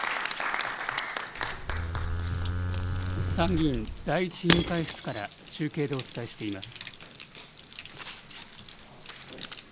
参議院第１委員会室から中継でお伝えしています。